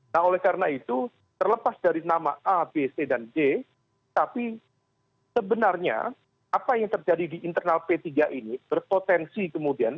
nah oleh karena itu terlepas dari nama a b c dan d tapi sebenarnya apa yang terjadi di internal p tiga ini berpotensi kemudian